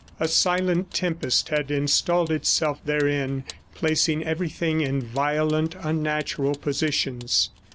A silent tempest had installed itself therein, placing everything in violent unnatural positions.